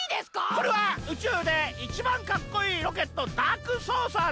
これはうちゅうでいちばんかっこいいロケットダークソーサーです！